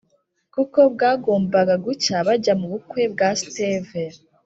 kuko bwagombaga gucya bajya mubukwe bwa steve